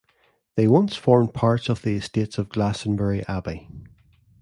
They once formed parts of the Estates of Glastonbury Abbey.